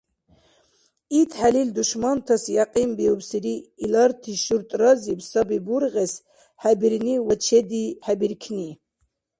ИтхӀелил душмантас якьинбиубсири иларти шуртӀразиб саби бургъес хӀебирни ва чедихӀебиркни.